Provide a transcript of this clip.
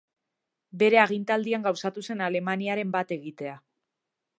Bere agintaldian gauzatu zen Alemaniaren bat-egitea.